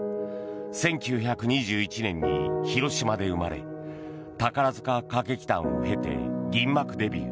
１９２１年に広島で生まれ宝塚歌劇団を経て銀幕デビュー。